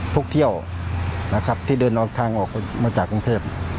ทุกเที่ยวที่เดินทางออกมาจากกรุงเทพฯ